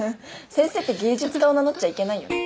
先生って芸術家を名乗っちゃいけないよね。